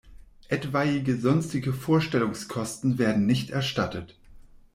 Etwaige sonstige Vorstellungskosten werden nicht erstattet.